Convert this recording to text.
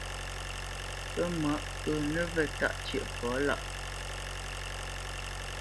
Pə́ mǎʼ ŋkə̌ nəvə̂ tâʼ cə̂ʼfɔ lâʼ.